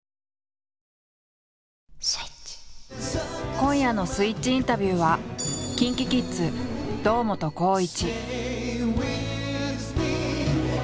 今夜の「スイッチインタビュー」はＫｉｎＫｉＫｉｄｓ堂本光一。